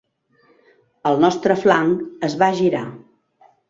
El nostre flanc es va girar.